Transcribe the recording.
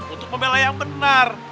untuk membela yang benar